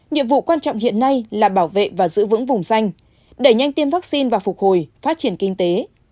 nhiệm vụ quan trọng hiện nay là bảo vệ và giữ vững vùng xanh đẩy nhanh tiêm vaccine và phục hồi phát triển kinh tế